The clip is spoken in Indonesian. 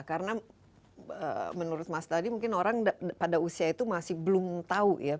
karena menurut mas tadi mungkin orang pada usia itu masih belum tahu ya